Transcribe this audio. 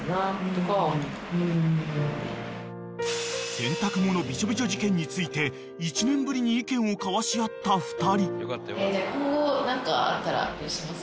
［洗濯物ビチョビチョ事件について１年ぶりに意見を交わし合った２人］